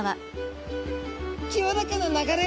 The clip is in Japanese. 清らかな流れ。